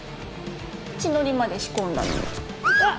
血のりまで仕込んだのに。